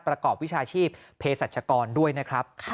ประกอบวิชาชีพเพศรัชกรด้วยนะครับ